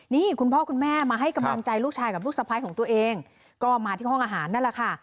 นี่คุณพ่อคุณแม่มาให้กำลังใจลูกชายกับลูกสะพ้ายของตัวเองก็มาที่ห้องอาหารนั่นแหละค่ะ